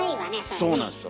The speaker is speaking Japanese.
そうなんですよ